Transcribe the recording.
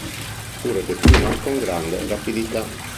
Eppure declinò con grande rapidità.